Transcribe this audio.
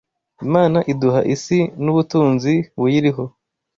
Imana iduha isi n’ubutunzi buyiriho